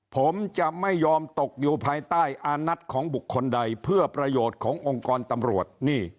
ผมจะไม่ยอมตกอยู่ภายใต้อานัทของบุคคลใดเพื่อประโยชน์ขององค์กรตำรวจ